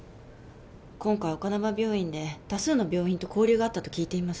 今回丘珠病院で多数の病院と交流があったと聞いています。